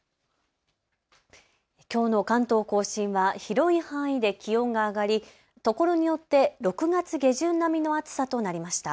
きょうの関東甲信は広い範囲で気温が上がり、ところによって６月下旬並みの暑さとなりました。